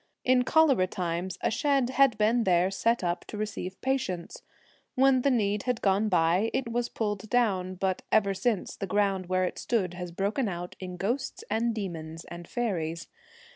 In cholera times a shed had been there set up to receive patients. When the need had gone by, it was pulled down, but ever since the ground where it stood has broken out in ghosts and demons and faeries.